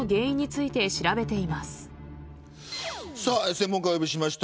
専門家をお呼びしました。